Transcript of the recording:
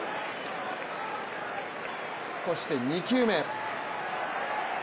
そして２球目。